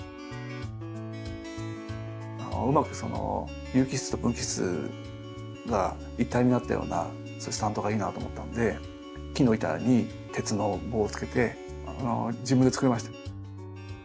うまく有機質と無機質が一体になったようなそういうスタンドがいいなと思ったんで木の板に鉄の棒をつけて自分でつくりました。